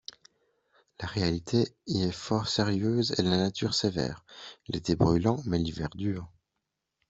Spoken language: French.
La réalité y est fort sérieuse et la nature sévère, l'été brûlant, mais l'hiver dur.